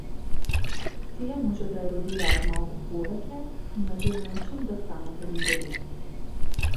Тие може да еродираат малку повеќе и, на тој начин, да станат ридови.